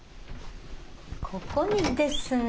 ここにですね。